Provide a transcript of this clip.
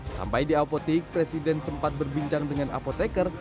sampai di apotek presiden sempat berbincang dengan apotekar